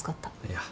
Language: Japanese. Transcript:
いや。